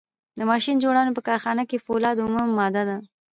د ماشین جوړونې په کارخانه کې فولاد اومه ماده ده.